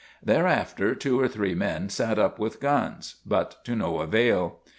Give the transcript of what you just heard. Thereafter two or three men sat up with guns, ISHMAEL 121 but to no avail.